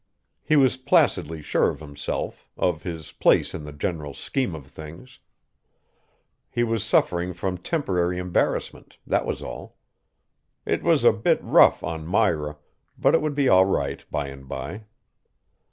He was placidly sure of himself, of his place in the general scheme of things. He was suffering from temporary embarrassment, that was all. It was a bit rough on Myra, but it would be all right by and by.